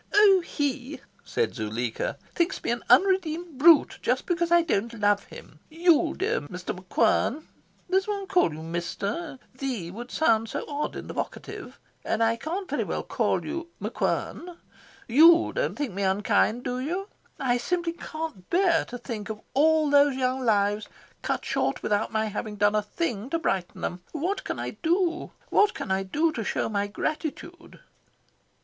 "Oh HE," said Zuleika, "thinks me an unredeemed brute; just because I don't love him. YOU, dear Mr. MacQuern does one call you 'Mr.'? 'The' would sound so odd in the vocative. And I can't very well call you 'MacQuern' YOU don't think me unkind, do you? I simply can't bear to think of all these young lives cut short without my having done a thing to brighten them. What can I do? what can I do to show my gratitude?"